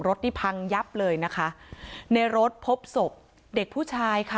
รถนี่พังยับเลยนะคะในรถพบศพเด็กผู้ชายค่ะ